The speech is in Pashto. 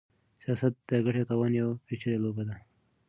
سياست د ګټې او تاوان يوه پېچلې لوبه ده.